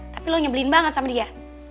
tapi lo nyebelin banget sama dia